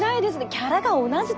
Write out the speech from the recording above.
ギャラが同じとは。